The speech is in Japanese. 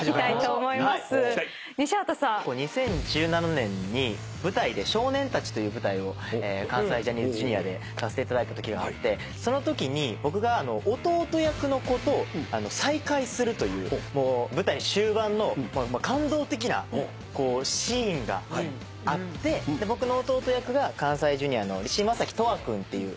２０１７年に舞台で『少年たち』という舞台を関西ジャニーズＪｒ．でさせていただいたときがあってそのときに僕が弟役の子と再会するという舞台終盤の感動的なシーンがあって僕の弟役が関西Ｊｒ．の嶋斗亜君っていう。